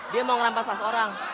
dia mau merampas tas orang